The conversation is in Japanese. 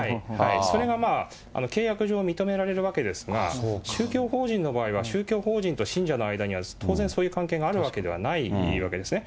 それがまあ、契約上、認められるわけですが、宗教法人の場合は、宗教法人と信者の間には、当然そういう関係があるわけじゃないわけですね。